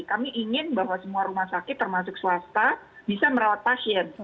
kami ingin bahwa semua rumah sakit termasuk swasta bisa merawat pasien